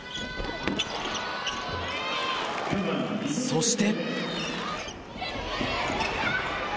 そして。